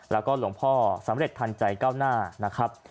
แล้วก็หลวงพ่อสำเร็จทันใจก้าวหน้านะครับ